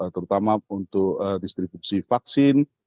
terutama untuk distribusi vaksin